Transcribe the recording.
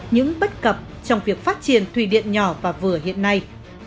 những bất cập trong việc phát triển thủy điện nhỏ và vừa hiện nay